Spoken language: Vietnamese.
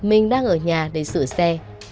minh đang ở nhà để sửa xe